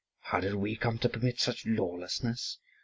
how did we come to permit such lawlessness?